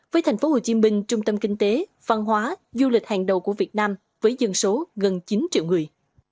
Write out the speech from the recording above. với thành phố hồ chí minh trung tâm kinh tế văn hóa du lịch hàng đầu của việt nam với dân số gần chín triệu người